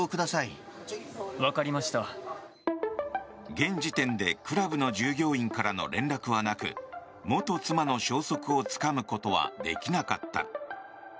現時点でクラブの従業員からの連絡はなく元妻の消息をつかむことはできなかった。